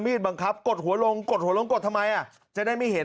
บังคับกดหัวลงกดหัวลงกดทำไมอ่ะจะได้ไม่เห็น